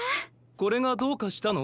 これがどうかしたの？